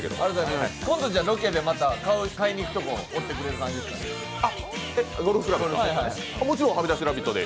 今度ロケで買いに行くところ追ってくれる感じで。